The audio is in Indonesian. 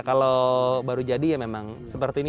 kalau baru jadi ya memang seperti ini